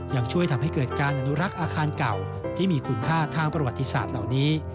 ยังช่วยทำให้เกิดการอนุรักษ์อาคารเก่าที่มีคุณค่าทางประวัติศาสตร์เหล่านี้